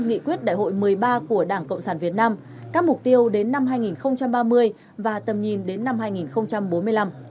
nghị quyết đại hội một mươi ba của đảng cộng sản việt nam các mục tiêu đến năm hai nghìn ba mươi và tầm nhìn đến năm hai nghìn bốn mươi năm